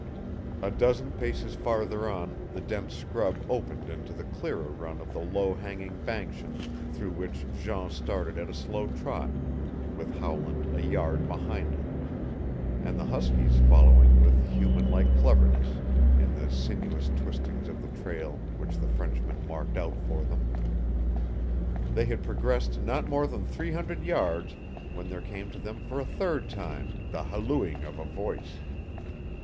A dozen paces farther on the dense scrub opened into the clearer run of the low hanging banskian through which Jean started at a slow trot, with Howland a yard behind him, and the huskies following with human like cleverness in the sinuous twistings of the trail which the Frenchman marked out for them. They had progressed not more than three hundred yards when there came to them for a third time the hallooing of a voice.